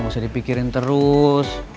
gak usah dipikirin terus